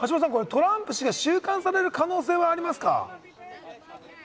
トランプ氏が収監される可能性はありますか？